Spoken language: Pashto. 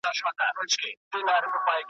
سره يو به کي موجونه .